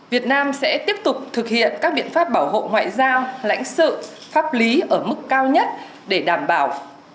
việt nam sẽ tiếp tục thực hiện các biện pháp bảo hộ ngoại giao lãnh sự pháp lý ở mức cao nhất để đảm bảo